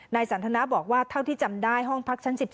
สันทนาบอกว่าเท่าที่จำได้ห้องพักชั้น๑๔